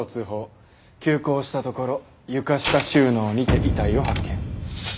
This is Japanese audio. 急行したところ床下収納にて遺体を発見。